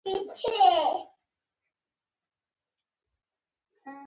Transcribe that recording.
د مفصلونو د اوبو لپاره د کوم شي پاڼې وکاروم؟